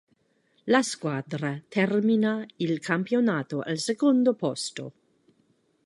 La squadra termina il campionato al secondo posto.